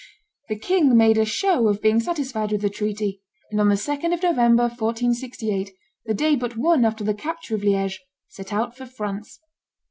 The king made a show of being satisfied with the treaty, and on the 2d of November, 1468, the day but one after the capture of Liege, set out for France.